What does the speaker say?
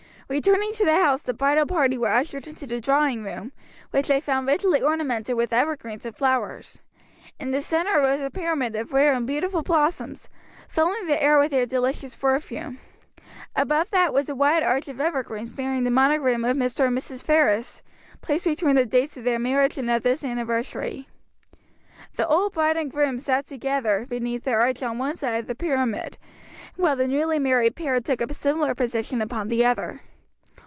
Returning to the house the bridal party were ushered into the drawing room, which they found richly ornamented with evergreens and flowers. In the centre rose a pyramid of rare and beautiful blossoms, filling the air with their delicious perfume. Above that was a wide arch of evergreens bearing the monograms of Mr. and Mrs. Ferris, placed between the dates of their marriage and of this anniversary. The old bride and groom sat together beneath the arch on one side of the pyramid, while the newly married pair took up a similar position, upon the other.